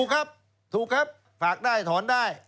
ถูกครับถูกครับฝากได้ถอนได้